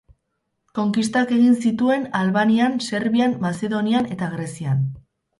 Konkistak egin zituen Albanian, Serbian, Mazedonian eta Grezian.